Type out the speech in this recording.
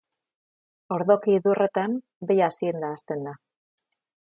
Ordoki idorretan behi azienda hazten da.